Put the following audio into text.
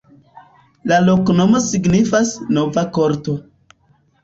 La loknomo signifas: nova-korto.